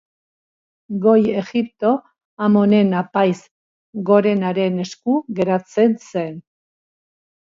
Goi Egipto, Amonen Apaiz Gorenaren esku geratzen zen.